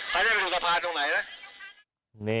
เขาจะไปถูกสภาตรงไหนนะ